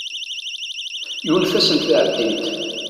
Yunef-asent ad ɛeddint.